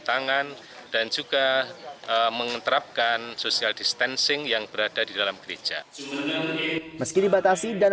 tangan dan juga mengeterapkan social distancing yang berada di dalam gereja meski dibatasi dan